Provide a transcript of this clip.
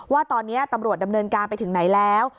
ว่าตอนนี้ตำรวจดำเนินการไปถึงไหนแล้ว